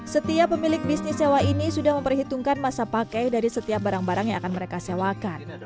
setiap pemilik bisnis sewa ini sudah memperhitungkan masa pakai dari setiap barang barang yang akan mereka sewakan